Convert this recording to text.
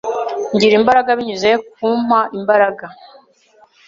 ngira imbaraga binyuze ku umpa imbaraga.